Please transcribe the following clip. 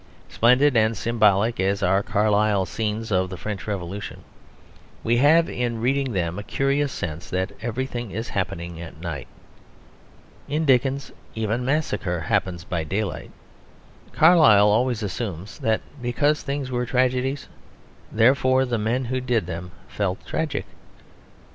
Splendid and symbolic as are Carlyle's scenes of the French Revolution, we have in reading them a curious sense that everything is happening at night. In Dickens even massacre happens by daylight. Carlyle always assumes that because things were tragedies therefore the men who did them felt tragic.